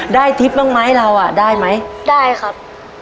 ได้ทริปบ้างไหมเราอะได้ไหมได้ครับ